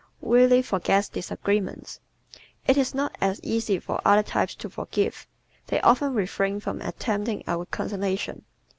Really Forgets Disagreements ¶ It is not as easy for other types to forgive; they often refrain from attempting a reconciliation.